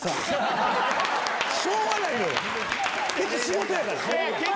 しょうがないのよ。